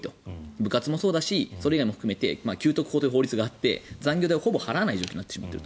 部活もそうだしそれ以外も含めて給特法という法律があって残業代をほぼ払わない状況になっていると。